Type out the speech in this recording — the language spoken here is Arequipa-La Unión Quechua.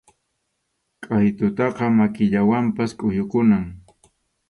Qʼaytutaqa makillawanpas kʼuyukunam.